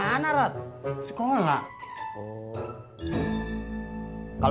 ini kok sampai kearo